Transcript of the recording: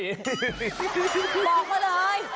บอกมาเลย